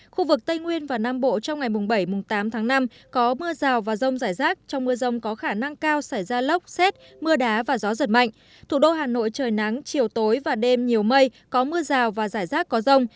khu vực tây nguyên và nam bộ trong ngày bảy tám tháng năm có mưa rào và rông rải rác trong mưa rông có khả năng cao xảy ra lốc xét mưa đá và gió giật mạnh thủ đô hà nội trời nắng chiều tối và đêm nhiều mây có mưa rào và rải rác có rông